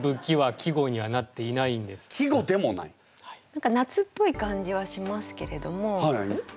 何か夏っぽい感じはしますけれども。